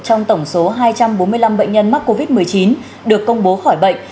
trong tổng số hai trăm bốn mươi năm bệnh nhân mắc covid một mươi chín được công bố khỏi bệnh